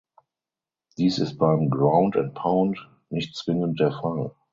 Dies ist beim Ground and Pound nicht zwingend der Fall.